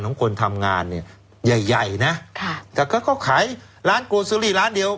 ของคนทำงานเนี่ยใหญ่ใหญ่นะค่ะแต่ก็เขาขายร้านโกซอรี่ร้านเดียว